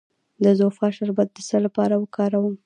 د زوفا شربت د څه لپاره وکاروم؟